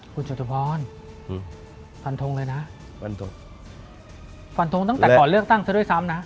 คุณจตุพรฟันทงเลยนะฟันทงฟันทงตั้งแต่ก่อนเลือกตั้งซะด้วยซ้ำนะ